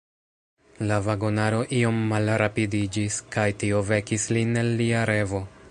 La vagonaro iom malrapidiĝis, kaj tio vekis lin el lia revo.